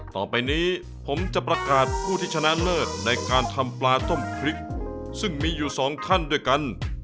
ต่อไปนี้ผมจะประกาศผู้ที่ชนะเลิศในการทำปลาต้มพริกซึ่งมีอยู่สองท่านด้วยกัน